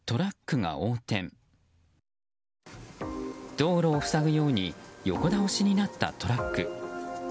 道路を塞ぐように横倒しになったトラック。